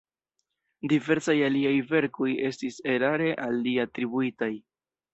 Diversaj aliaj verkoj estis erare al li atribuitaj.